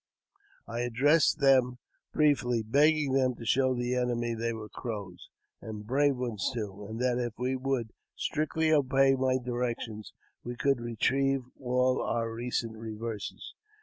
I addressed them briefly, begging them to show the enemy they were Crows, and brave ones too, and that, if they would strictly obey my directions, we could retrieve all our recent reverses.